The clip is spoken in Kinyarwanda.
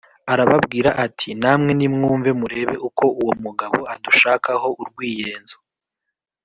arababwira ati “Namwe nimwumve murebe uko uwo mugabo adushakaho urwiy enzo